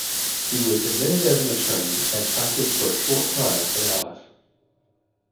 He was admitted as an attorney and practiced for a short time in Alice.